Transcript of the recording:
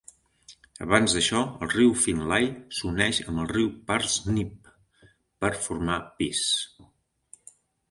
Abans d'això, el riu Finlay s'uneix amb el riu Parsnip per formar Peace.